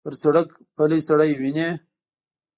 پر سړک پلی سړی وینې.